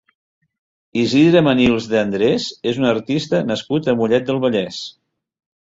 Isidre Manils de Andrés és un artista nascut a Mollet del Vallès.